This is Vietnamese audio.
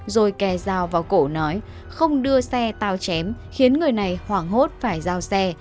rồi kè dao vào cổ nói không đưa xe tao chém khiến người này hoảng hốt phải dao xe